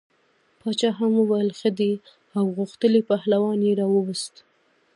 باچا هم وویل ښه دی او غښتلی پهلوان یې راووست.